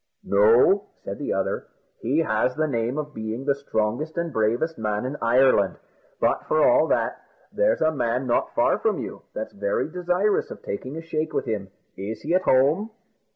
"No," said the other, "he has the name of being the strongest and bravest man in Ireland; but for all that, there's a man not far from you that's very desirous of taking a shake with him. Is he at home?"